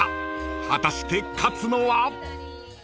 ［果たして勝つのは？］